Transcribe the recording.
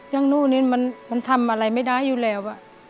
นู่นนี่มันทำอะไรไม่ได้อยู่แล้ว